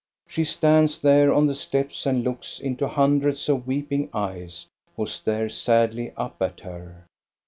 She stands there on the steps and looks into hundreds of weeping eyes, who stare sadly up at her.